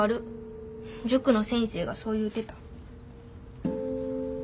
塾の先生がそう言うてた。